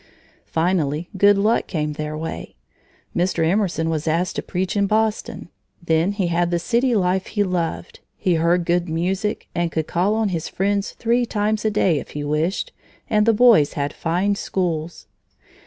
Finally good luck came their way. Mr. Emerson was asked to preach in Boston. Then he had the city life he loved, he heard good music, and could call on his friends three times a day if he wished, and the boys had fine schools.